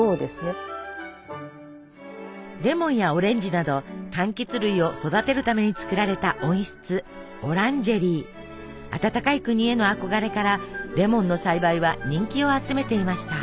レモンやオレンジなどかんきつ類を育てるために作られた温室暖かい国への憧れからレモンの栽培は人気を集めていました。